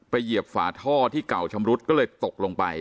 เหยียบฝาท่อที่เก่าชำรุดก็เลยตกลงไป